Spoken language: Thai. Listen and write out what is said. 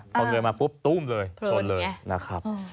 พอเงยมาปุ๊บตู้มเลยชนเลย